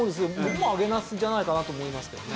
僕も揚げなすじゃないかなと思いますけどね。